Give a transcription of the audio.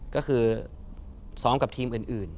ก็คือซ้อมกับทีมอื่น